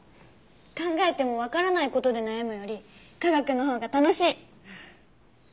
考えてもわからない事で悩むより科学のほうが楽しい！